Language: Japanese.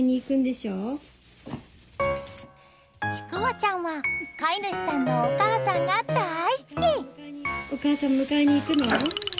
ちくわちゃんは飼い主さんのお母さんが大好き。